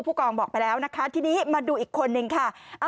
ผู้กองบอกไปแล้วนะคะทีนี้มาดูอีกคนนึงค่ะ